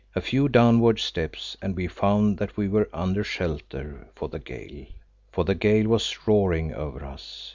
A few downward steps and we found that we were under shelter, for the gale was roaring over us.